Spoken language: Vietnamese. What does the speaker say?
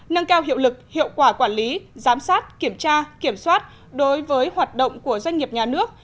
nâng cao hiệu lực hiệu quả quản lý giám sát kiểm tra kiểm soát đối với hoạt động của doanh nghiệp nhà nước